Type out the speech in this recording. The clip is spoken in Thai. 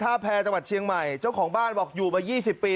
แพรจังหวัดเชียงใหม่เจ้าของบ้านบอกอยู่มายี่สิบปี